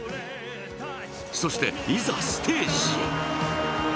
そしていざステージへ。